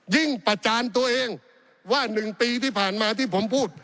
ประจานตัวเองว่า๑ปีที่ผ่านมาที่ผมพูด